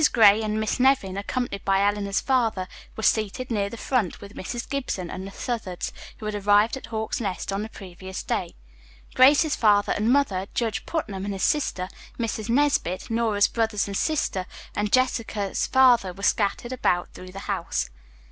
Gray and Miss Nevin, accompanied by Eleanor's father, were seated near the front with Mrs. Gibson and the Southards, who had arrived at Hawk's Nest on the previous day. Grace's father and mother, Judge Putnam and his sister, Mrs. Nesbit, Nora's brothers and sister and Jessica's father were scattered about through the house.